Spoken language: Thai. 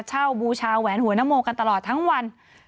บูชาแหวนหัวนโมกันตลอดทั้งวัน